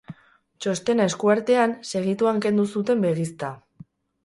Txostena esku artean, segituan kendu zuten begizta.